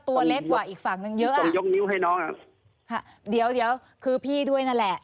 ตัวเล็กกว่าอีกฝั่งนึงเยอะต้องยกนิ้วให้น้องอ่ะค่ะเดี๋ยวเดี๋ยวคือพี่ด้วยนั่นแหละ